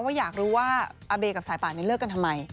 ว่าอยากรู้ว่าอาเบกับสายป่านเลิกกันทำไม